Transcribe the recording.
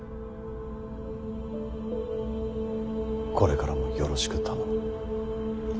これからもよろしく頼む。